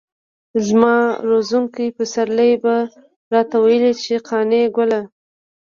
زما روزونکي پسرلي به راته ويل چې قانع ګله.